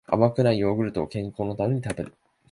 甘くないヨーグルトを健康のために食べる